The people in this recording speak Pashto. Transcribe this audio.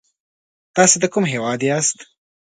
تاسې د کوم هيواد ياست؟